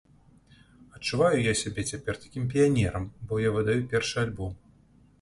Адчуваю я сябе цяпер такім піянерам, бо я выдаю першы альбом!